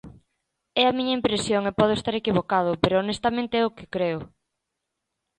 É a miña impresión e podo estar equivocado, pero honestamente é o que creo.